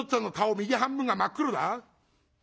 右半分が真っ黒だ』。